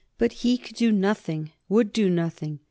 But he could do nothing, would do nothing.